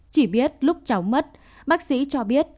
chỉ biết lúc cháu mất bác sĩ cho biết